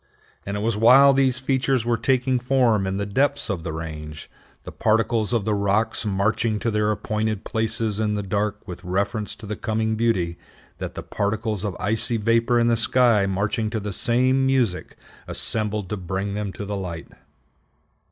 And it was while these features were taking form in the depths of the range, the particles of the rocks marching to their appointed places in the dark with reference to the coming beauty, that the particles of icy vapor in the sky marching to the same music assembled to bring them to the light.